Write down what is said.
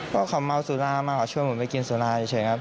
เพราะเขาเมาสุรามาเขาช่วยผมไปกินสุราเฉยครับ